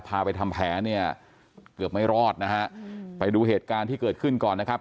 พาไปทำแผนเนี่ยเกือบไม่รอดนะฮะไปดูเหตุการณ์ที่เกิดขึ้นก่อนนะครับ